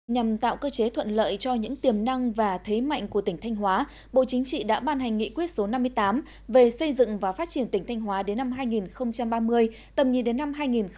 nhằm tạo cơ chế thuận lợi cho những tiềm năng và thế mạnh của tỉnh thanh hóa bộ chính trị đã ban hành nghị quyết số năm mươi tám về xây dựng và phát triển tỉnh thanh hóa đến năm hai nghìn ba mươi tầm nhìn đến năm hai nghìn bốn mươi năm